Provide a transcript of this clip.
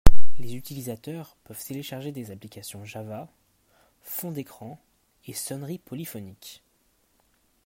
Les utilisateurs peuvent télécharger des applications Java, fond d'écran et sonneries polyphoniques.